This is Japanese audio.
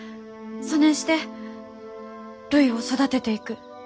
そねんしてるいを育てていく。